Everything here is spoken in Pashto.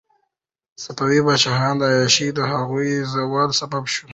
د صفوي پاچاهانو عیاشي د هغوی د زوال سبب شوه.